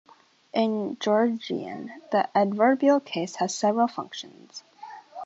In Georgian, the adverbial case has several functions.